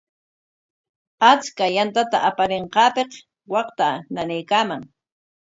Achka yantata aparinqaapik waqtaa nanaykaaman.